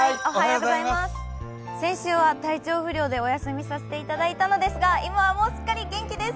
先週は体調不良でお休みさせていただいたのですがもうすっかり元気です。